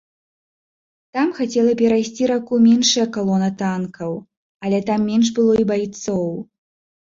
Там хацела перайсці раку меншая калона танкаў, але там менш было і байцоў.